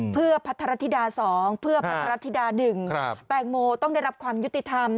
เพื่อพัฒนธรรษฐีดา๒เพื่อพัฒนธฐรษฐีดา๑แตงโมต้องได้รับความยุติธรรม